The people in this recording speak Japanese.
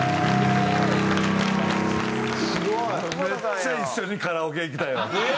めっちゃ一緒にカラオケ行きたいわ！